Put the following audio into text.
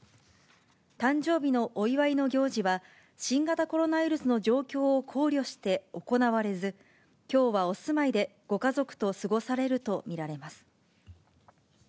誕生日のお祝いの行事は、新型コロナウイルスの状況を考慮して行われず、きょうはお住まいでご家族と過ごされると見られます。